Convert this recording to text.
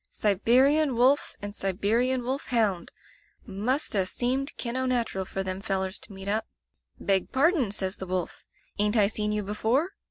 'Siberian wolf and Sibe rian wolf hound! Must 'a seemed kin' o' natural for them fellers to meet up. "Beg pardon," says the wolf, "ain't I seen you be fore?"